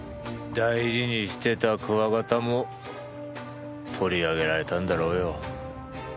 大事にしてたクワガタも取り上げられたんだろうよ。